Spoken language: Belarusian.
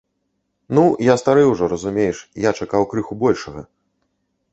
Ну, я стары ўжо, разумееш, я чакаў крыху большага.